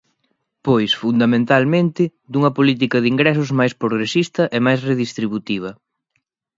Pois, fundamentalmente, dunha política de ingresos máis progresista e máis redistributiva.